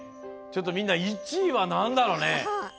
ちょっとみんな１位はなんだろうね？